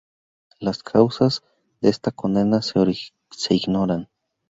Las causas de esta condena se ignoran.